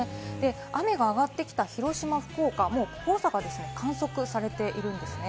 雨が上がってきた広島、福岡、黄砂が観測されているんですね。